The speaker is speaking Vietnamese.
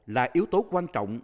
là yếu tố quan trọng